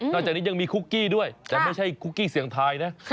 จากนี้ยังมีคุกกี้ด้วยแต่ไม่ใช่คุกกี้เสียงทายนะ